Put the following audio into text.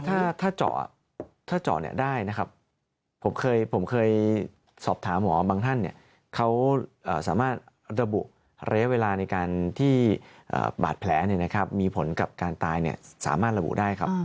ถ้าเจาะเนี่ยได้นะครับผมเคยสอบถามหมอบางท่านเนี่ยเขาสามารถระบุระยะเวลาในการที่บาดแผลเนี่ยนะครับมีผลกับการตายเนี่ยสามารถระบุได้ครับ